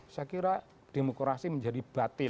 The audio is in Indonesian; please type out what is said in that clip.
saya kira demokrasi menjadi batin